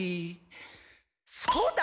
そうだ！